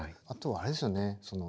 あとはあれですよね